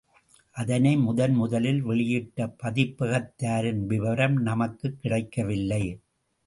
அதனை முதன் முதலில் வெளியிட்ட பதிப்பகத்தாரின் விபரம் நமக்குக் கிடைக்கவில்லை.